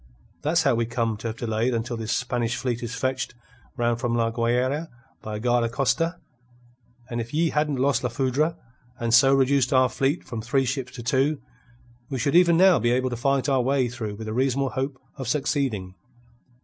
That's how we come to have delayed until this Spanish fleet is fetched round from La Guayra by a guarda costa; and if ye hadn't lost La Foudre, and so reduced our fleet from three ships to two, we should even now be able to fight our way through with a reasonable hope of succeeding.